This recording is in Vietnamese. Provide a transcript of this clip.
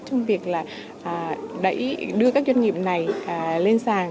trong việc là đưa các doanh nghiệp này lên sàn